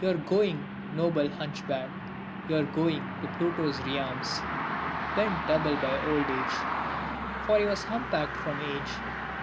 253 You're going, noble hunchback, you are going To Pluto's realms, bent double by old age. For he was humpbacked from age.